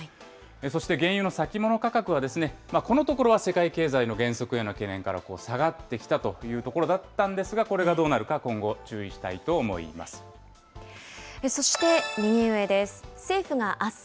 そして、原油の先物価格は、このところは世界経済の減速への懸念から下がってきたというところだったんですが、これがどうなるか、そして、右上です。